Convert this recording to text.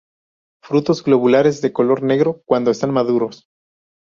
Frutos globulares, de color negro, cuando están maduros.